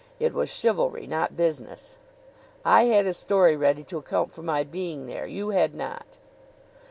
It was chivalry not business." "I had a story ready to account for my being there. You had not."